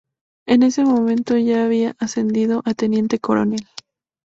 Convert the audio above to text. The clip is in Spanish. En ese momento, ya había ascendido a Teniente Coronel.